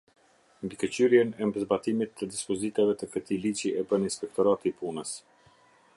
Mbikëqyrjen e zbatimit të dispozitave të këtij ligji e bën Inspektorati i Punës.